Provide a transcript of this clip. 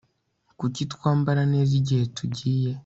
Kuki twambara neza igihe tugiye